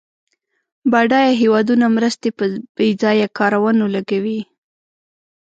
بډایه هېوادونه مرستې په بیځایه کارونو لګوي.